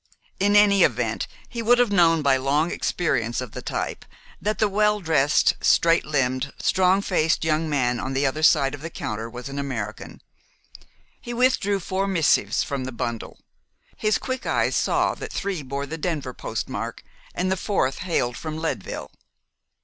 In any event, he would have known, by long experience of the type, that the well dressed, straight limbed, strong faced young man on the other side of the counter was an American. He withdrew four missives from the bundle. His quick eyes saw that three bore the Denver postmark, and the fourth hailed from Leadville.